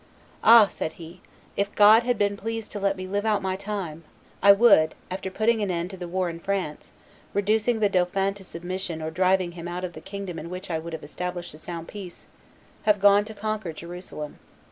"Ah!" said he, "if God had been pleased to let me live out my time, I would, after putting an end to the war in France, reducing the dauphin to submission or driving him out of the kingdom in which I would have established a sound peace, have gone to conquer Jerusalem.